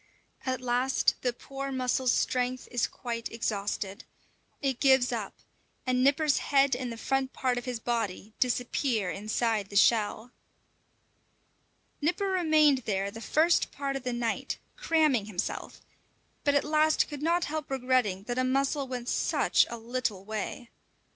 At last the poor mussel's strength is quite exhausted. It gives up, and Nipper's head and the front part of his body disappear inside the shell. Nipper remained there the first part of the night, cramming himself, but at last could not help regretting that a mussel went such a little way.